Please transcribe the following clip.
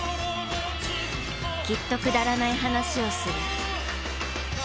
きっとくだらない話をする。